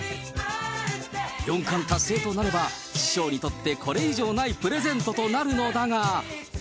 四冠達成となれば、師匠にとってこれ以上ないプレゼントとなるのだが。